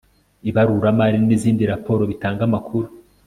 ibaruramari n'izindi raporo bitanga amakuru